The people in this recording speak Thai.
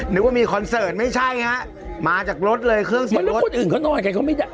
นึกว่ามีคอนเสิร์ตไม่ใช่ฮะมาจากรถเลยเครื่องเสียงรถคนอื่นเขานอนกันเขาไม่ได้